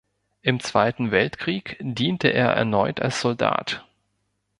Im Zweiten Weltkrieg diente er erneut als Soldat.